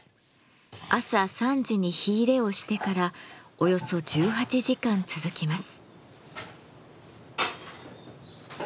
朝３時に火入れをしてからおよそ１８時間続きます。